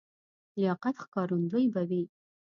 لیاقت ښکارندوی به وي.